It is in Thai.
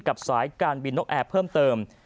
สายการบินนกแอร์เพิ่มเติม